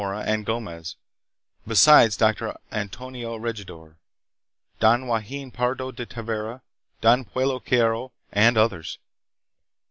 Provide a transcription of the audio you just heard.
mora, and Gomez, besides Don Antonio Regidor, Don Joaquin Pardo de Tavera, Don Pedro Carillo, and others.